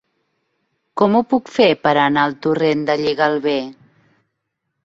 Com ho puc fer per anar al torrent de Lligalbé?